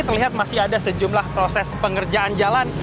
terlihat masih ada sejumlah proses pengerjaan jalan